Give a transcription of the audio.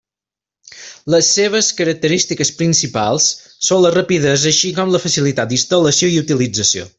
Les seves característiques principals són la rapidesa així com la facilitat d'instal·lació i utilització.